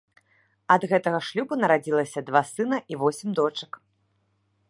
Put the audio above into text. Ад гэтага шлюбу нарадзілася два сына і восем дочак.